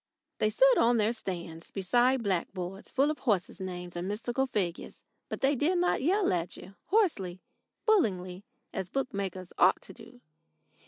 They stood on their stands beside blackboards full of horses' names and mystical figures, but they did not yell at you hoarsely, bullyingly, as bookmakers ought to do.